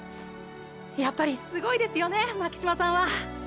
やっぱりスゴいですよねー巻島さんは！！